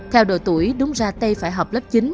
theo độ tuổi đúng ra tây phải học lớp chín